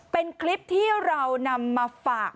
เป็นคลิปที่เรานำมาฝาก